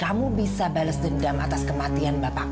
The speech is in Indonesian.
kamu bisa bales dendam atas kematian bapak kamu